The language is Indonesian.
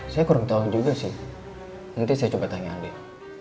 saya kurang tahu juga sih nanti saya coba tanya ambil